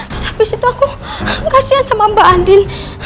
terus abis itu aku kasihan sama mbak andin